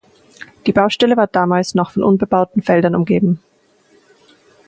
Die Baustelle war damals noch von unbebauten Feldern umgeben.